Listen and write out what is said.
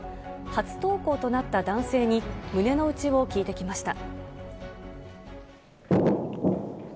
初登校となった男性に胸の内を聞いてきました。